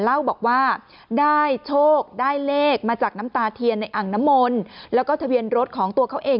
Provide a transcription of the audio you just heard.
เล่าบอกว่าได้โชคได้เลขมาจากน้ำตาเทียนในอ่างน้ำมนต์แล้วก็ทะเบียนรถของตัวเขาเอง